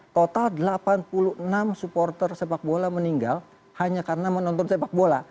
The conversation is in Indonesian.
total delapan puluh enam supporter sepak bola meninggal hanya karena menonton sepak bola